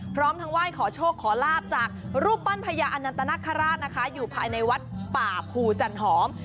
พร้อมทั้งไหว้ขอโชคขอลาบจากรูปปั้นพญาอนันตนคราชนะคะอยู่ภายในวัดป่าภูจันหอม